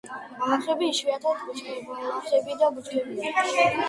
ბალახები, იშვიათად ბუჩქბალახები და ბუჩქებია.